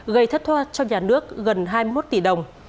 gây thất thoát cho nhà nước gần hai mươi một tỷ đồng